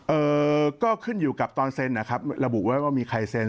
เอ่อก็ขึ้นอยู่กับตอนเซ็นนะครับระบุไว้ว่ามีใครเซ็น